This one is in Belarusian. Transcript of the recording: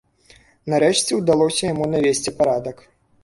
Нарэшце ўдалося яму навесці парадак.